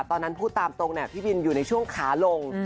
ตอนนั้นพูดตามตรงพี่บินอยู่ในช่วงขาลง